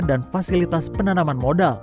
dan fasilitas penanaman modal